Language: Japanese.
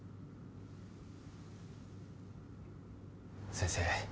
先生